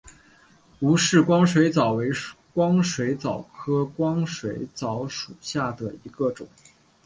吴氏光水蚤为光水蚤科光水蚤属下的一个种。